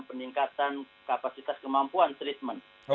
peningkatan kapasitas kemampuan treatment